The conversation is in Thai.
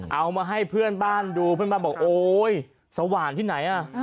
เอามาให้เพื่อนบ้านดูเพื่อนบ้านบอกโอ๊ยสว่านที่ไหนอ่ะ